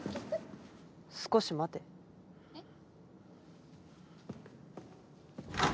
少し待て。えっ？